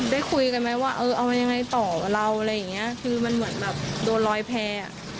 ได้คุยกันไหมว่าเออเอายังไงต่อเราอะไรอย่างเงี้ยคือมันเหมือนแบบโดนลอยแพร่อ่ะ